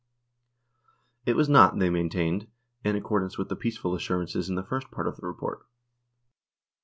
It was not, they maintained, in accordance with the peaceful assur ances in the first part of the report.